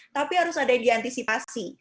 tapi harus ada yang diantisipasi